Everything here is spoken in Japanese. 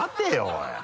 おい。